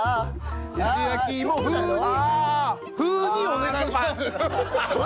石焼き芋風に風にお願いします。